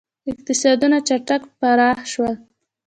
• اقتصادونه چټک پراخ شول.